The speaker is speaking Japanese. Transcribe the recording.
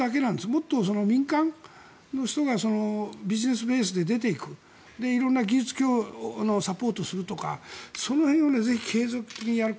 もっと民間の人がビジネスベースで出ていく色んな技術のサポートをするとかその辺をぜひ継続的にやる。